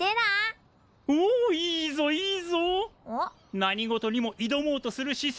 何事にもいどもうとする姿勢